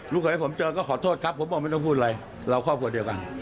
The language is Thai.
เคยให้ผมเจอก็ขอโทษครับผมบอกไม่ต้องพูดอะไรเราครอบครัวเดียวกัน